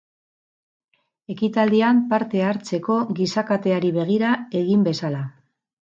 Ekitaldian parte hartzeko giza kateari begira egin bezala.